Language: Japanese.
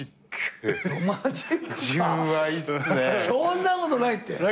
そんなことないって。